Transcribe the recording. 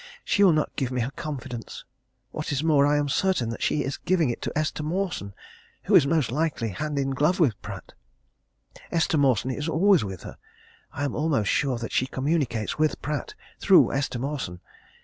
She will not give me her confidence. What is more, I am certain that she is giving it to Esther Mawson who is most likely hand in glove with Pratt. Esther Mawson is always with her. I am almost sure that she communicates with Pratt through Esther Mawson.